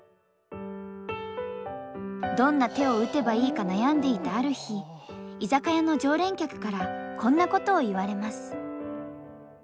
どんな手を打てばいいか悩んでいたある日居酒屋の常連客からこんなことを言われます。